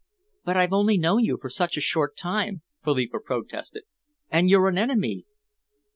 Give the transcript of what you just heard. "But I've only known you for such a short time," Philippa protested, "and you're an enemy."